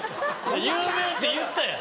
有名って言ったやん。